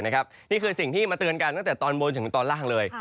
นี่คือสิ่งที่มาเตือนกันตั้งแต่ตอนบนถึงตอนล่างเลย